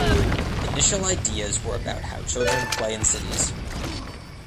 Initial ideas were about how children play in cities.